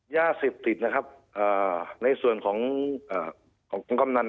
ยาเสพติดนะครับในส่วนของของกำนัน